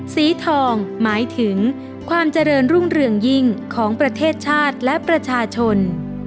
สีทองหมายถึงความเจริญรุ่งเรืองยิ่งของประเทศชาติและประชาชน